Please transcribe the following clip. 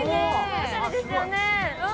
おしゃれですよね。